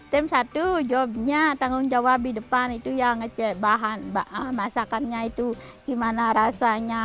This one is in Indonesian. tim satu tanggung jawab di depan itu bahan masakannya itu gimana rasanya